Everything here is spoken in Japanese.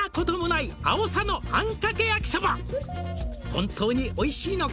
「本当においしいのか？」